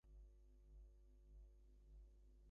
Moir was married twice.